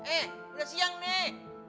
eh udah siang nih